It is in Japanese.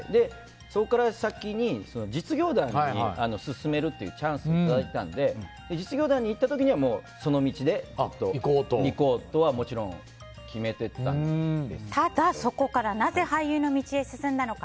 そこから先に実業団に進めるというチャンスをいただいてたので実業団に行った時にはもうその道で行こうとはただ、そこからなぜ俳優の道へ進んだのか。